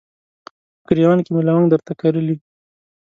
په ګریوان کې مې لونګ درته کرلي